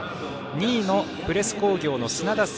２位のプレス工業の砂田晟